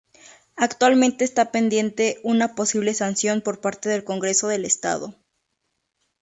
Actualmente está pendiente una posible sanción por parte del Congreso del Estado.